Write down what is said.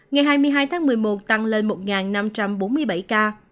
ngày hai mươi hai tháng một mươi một tăng lên một năm trăm bốn mươi bảy ca